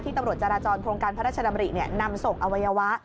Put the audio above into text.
ตำรวจจราจรโครงการพระราชดำรินำส่งอวัยวะ